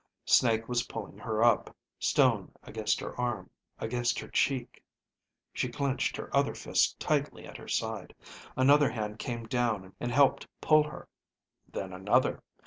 Snake was pulling her up. Stone against her arm, against her cheek. She clenched her other fist tightly at her side. Another hand came down and helped pull her. Then another.